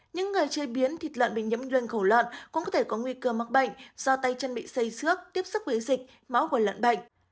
những người chế biến thịt lợn bị nhiễm rơn khổ lợn cũng có thể có nguy cơ mắc bệnh do tay chân bị xây xước tiếp xúc với dịch máu của lợn bệnh